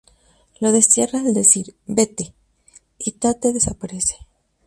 Lo destierra al decir "vete" y Tate desaparece.